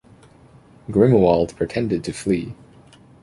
Grimuald pretended to flee.